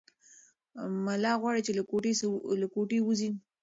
ملا غواړي چې له کوټې ووځي.